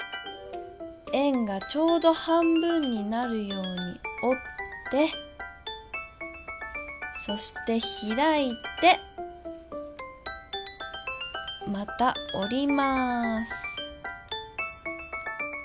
円がちょうど半分になるようにおってそしてひらいてまたおります。